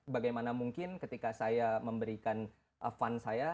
bagaimana mungkin ketika saya memberikan fun saya